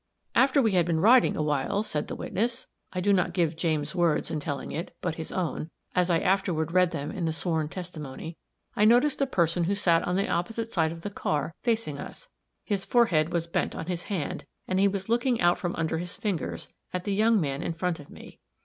"After we had been riding a while," said the witness I do not give James' words in telling it, but his own, as I afterward read them in the sworn testimony "I noticed a person who sat on the opposite side of the car, facing us. His forehead was bent on his hand, and he was looking out from under his fingers, at the young man in front of me.